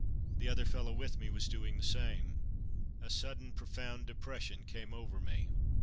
The other fellow with me was doing the same. A sudden, profound depression came over me.